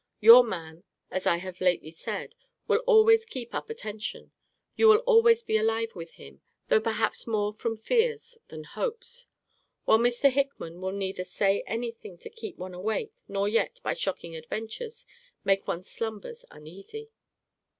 Your man, as I have lately said, will always keep up attention; you will always be alive with him, though perhaps more from fears than hopes: while Mr. Hickman will neither say any thing to keep one awake, nor yet, by shocking adventures, make one's slumbers uneasy.